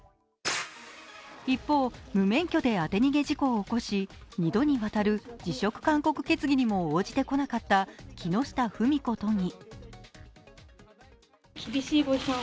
一方、無免許で当て逃げ事故を起こし２度にわたる辞職勧告決議にも応じてこなかった木下富美子都議。